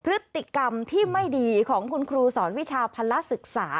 พฤติกรรมที่ไม่ดีของคุณครูสอนวิชาภาระศึกษา